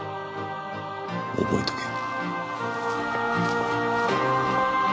覚えとけ。